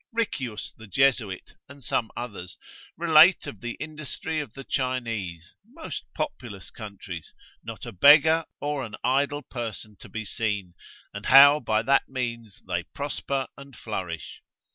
Riccius, the Jesuit, and some others, relate of the industry of the Chinese most populous countries, not a beggar or an idle person to be seen, and how by that means they prosper and flourish.